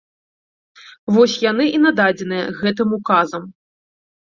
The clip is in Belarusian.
Вось яны і нададзеныя гэтым указам.